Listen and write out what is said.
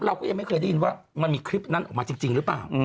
เราก็ยังไม่เคยได้ยินว่ามันมีคลิปนั้นออกมาจริงหรือเปล่า